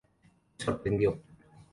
Me sorprendió.